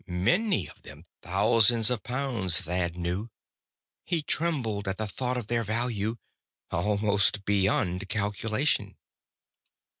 Many of them. Thousands of pounds, Thad knew. He trembled at thought of their value. Almost beyond calculation.